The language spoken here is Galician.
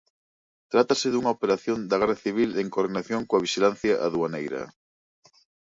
Trátase dunha operación da Garda Civil en coordinación con Vixilancia Aduaneira.